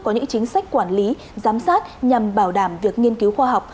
có những chính sách quản lý giám sát nhằm bảo đảm việc nghiên cứu khoa học